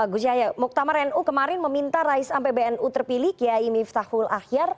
gus syahya muktamar nu kemarin meminta raisa pbnu terpilih kiai miftahul ahyar